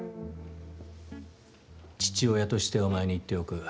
父親としてお前に言っておく。